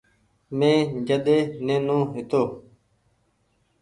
مين جڏي نينو هيتو ۔